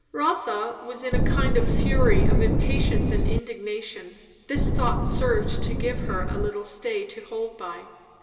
Rotha Was in a kind of fury of impatience and indignation; this thought served to give her a little stay to hold by.